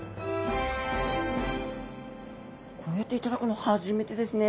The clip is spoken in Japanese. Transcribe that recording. こうやって頂くの初めてですね。